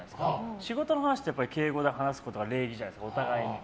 仕事の話って敬語で話すことが礼儀じゃないですか、お互いに。